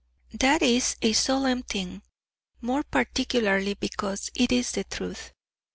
That is a solemn thing, more particularly because it is the truth.